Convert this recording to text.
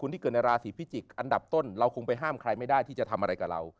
ที่เกิดในราศีพิจิกษ์อันดับต้นเราคงไปห้ามใครไม่ได้ที่จะทำอะไรกับเรา